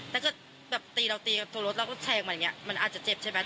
แต่ก็ตีเราตีตัวรถเราก็แชงมันอาจจะเจ็บใช่ไหม